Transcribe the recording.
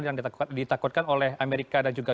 yang ditakutkan oleh amerika dan juga